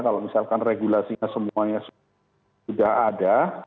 kalau misalkan regulasinya semuanya sudah ada